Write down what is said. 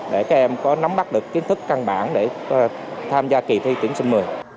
để các em có nắm bắt được kiến thức căn bản để tham gia kỳ thi tuyển sinh một mươi